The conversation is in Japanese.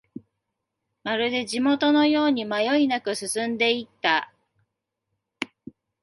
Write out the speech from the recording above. まるで地元のように迷いなく進んでいった